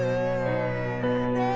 ya ampun lek